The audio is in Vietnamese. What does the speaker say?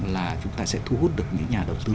là chúng ta sẽ thu hút được những nhà đầu tư